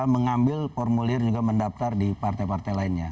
mengambil formulir juga mendaftar di partai partai lainnya